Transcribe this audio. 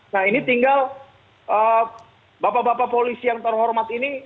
nah ini tinggal bapak bapak polisi yang terhormat ini